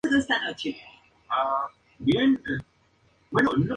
Luego se fue expandiendo hacia el sur en reemplazo del aimara.